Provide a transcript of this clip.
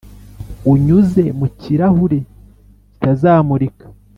unyuze mu kirahure kitazamurika,